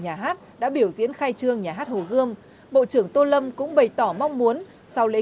nhà hát đã biểu diễn khai trương nhà hát hồ gươm bộ trưởng tô lâm cũng bày tỏ mong muốn sau lễ